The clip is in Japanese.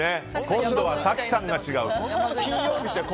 今度は早紀さんが違う。